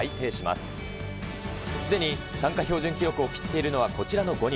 すでに参加標準記録を切っているのは、こちらの５人。